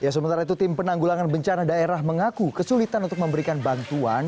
sementara itu tim penanggulangan bencana daerah mengaku kesulitan untuk memberikan bantuan